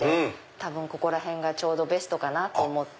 多分ここら辺がちょうどベストかなって思って。